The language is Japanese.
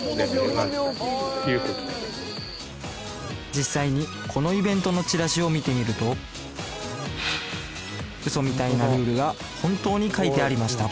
実際にこのイベントのチラシを見てみると嘘みたいなルールが本当に書いてありました